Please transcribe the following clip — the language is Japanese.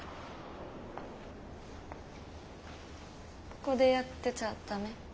ここでやってちゃダメ？